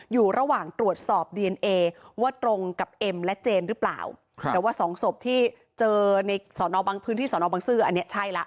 อยู่ระหว่างตรวจสอบดีเอนเอว่าตรงกับเอ็มและเจนหรือเปล่าแต่ว่าสองศพที่เจอในสอนอบางพื้นที่สอนอบังซื้ออันนี้ใช่ละ